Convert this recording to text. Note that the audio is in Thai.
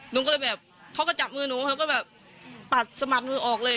หนูก็เลยแบบเขาก็จับมือหนูเขาก็แบบปัดสมัครมือออกเลย